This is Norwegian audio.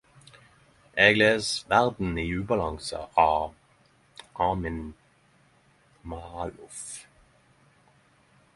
Eg les Verden i ubalanse av Amin Maalouf.